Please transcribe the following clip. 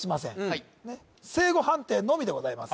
はいねっ正誤判定のみでございます